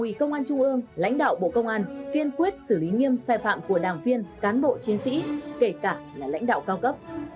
ủy công an trung ương lãnh đạo bộ công an kiên quyết xử lý nghiêm sai phạm của đảng viên cán bộ chiến sĩ kể cả là lãnh đạo cao cấp